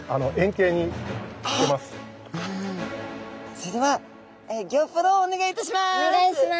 それではギョープロをお願いいたします。